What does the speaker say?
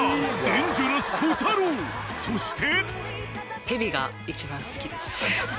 ［そして］